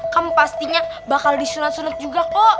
kamu pastinya bakal disunat sunat juga kok